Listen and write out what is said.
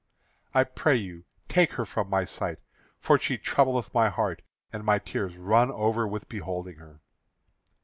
I pray you, take her from my sight, for she troubleth my heart, and my tears run over with beholding her."